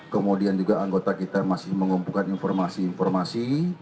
kemudian juga anggota kita masih mengumpulkan informasi informasi